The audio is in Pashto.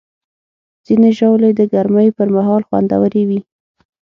ځینې ژاولې د ګرمۍ پر مهال خوندورې وي.